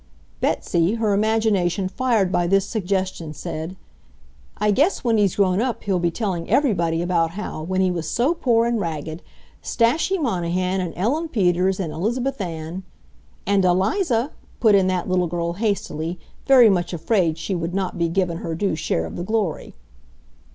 Betsy, her imagination fired by this suggestion, said, "I guess when he's grown up he'll be telling everybody about how, when he was so poor and ragged, Stashie Monahan and Ellen Peters and Elizabeth Ann ..." "And Eliza!" put in that little girl hastily, very much afraid she would not be given her due share of the glory.